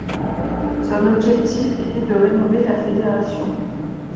Son objectif était de rénover la fédération.